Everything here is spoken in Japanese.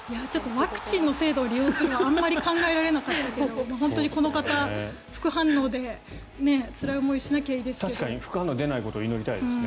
ワクチンの制度を利用するのはあまり考えられなかったけれど本当にこの方副反応でつらい思いをしないといいですが。